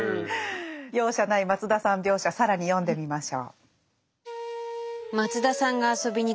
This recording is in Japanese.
容赦ない松田さん描写更に読んでみましょう。